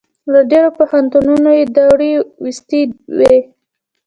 له ډېرو پوهنتونو یې دوړې ویستې وې.